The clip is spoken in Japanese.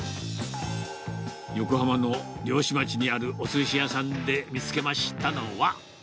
横浜の漁師町にあるおすし屋さんで見つけましたのは。